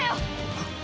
あっ。